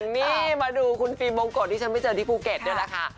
มาดูคุณฟิมบงโกดที่ฉันไม่เจอที่ภูเก็ตด้วยล่ะค่ะ